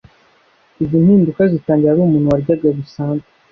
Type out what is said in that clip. Izi mpinduka zitangira ari umuntu waryaga bisanzwe